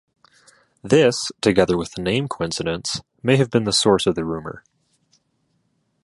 This, together with the name coincidence, may have been the source of the rumour.